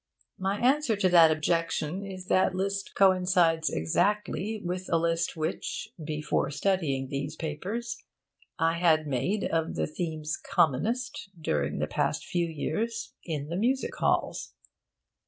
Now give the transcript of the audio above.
My answer to that objection is that this list coincides exactly with a list which (before studying these papers) I had made of the themes commonest, during the past few years, in the music halls.